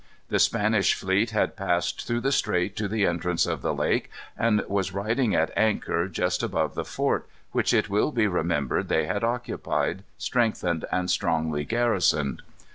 The Spanish fleet had passed through the strait to the entrance of the lake, and was riding at anchor just above the fort, which it will be remembered they had occupied, strengthened, and strongly garrisoned.